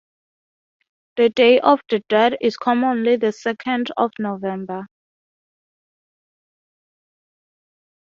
The day of the dead is commonly the second of November.